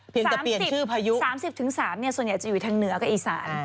เพียงแต่เปลี่ยนชื่อพายุ๓๐ถึง๓ส่วนใหญ่จะอยู่ทางเหนือกับอีสาน